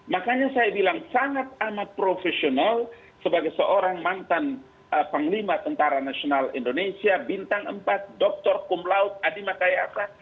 makanya saya bilang sangat amat profesional sebagai seorang mantan panglima tni indonesia bintang empat dr kumlaut adi makayasa